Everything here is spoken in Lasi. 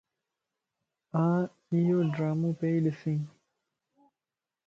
آن ايوڊرامو پيئي ڏسين